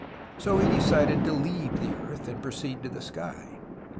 So he decided to leave tlie earth and proceed to the sky.